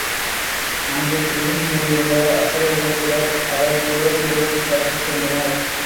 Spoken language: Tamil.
அங்குத் திரிந்து கொண்டிருந்த அசுரர்கள் சிலர் அவளைத் தேரில் ஏற்றிக் கடத்திச் சென்றனர்.